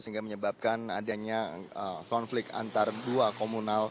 sehingga menyebabkan adanya konflik antara dua komunal